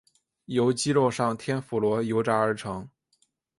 由鸡肉上天妇罗油炸而成。